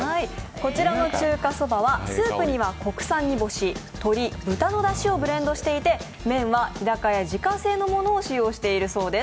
こちらの中華そばは、スープには国産にぼし鶏、豚のだしをブレンドしていて麺は日高屋自家製のものを使用しているそうです。